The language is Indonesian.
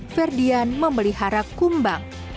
ferdian memelihara kumbang